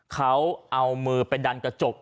เขาเอามือไปดันกระจก